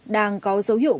đang có dấu hiệu bùng phát